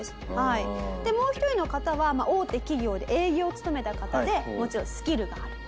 もう一人の方は大手企業で営業を務めた方でもちろんスキルがある。